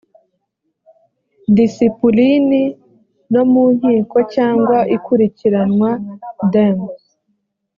disipulini no mu nkiko cyangwa ikurikiranwa them